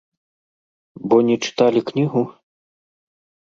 Бо не чыталі кнігу?